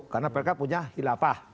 karena mereka punya hilafah